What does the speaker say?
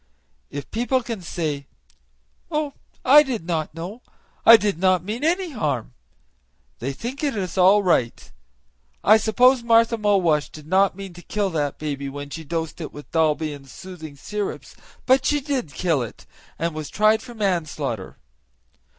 If people can say, 'Oh! I did not know, I did not mean any harm,' they think it is all right. I suppose Martha Mulwash did not mean to kill that baby when she dosed it with Dalby and soothing syrups; but she did kill it, and was tried for manslaughter."